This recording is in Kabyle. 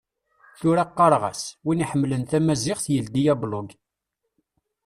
Tura qqareɣ-as:Win iḥemmlen tamaziɣt yeldi ablug.